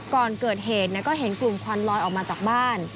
ก่อนเกิดเหตุก็เห็นกลุ่มควันลอยออกมาจากบ้าน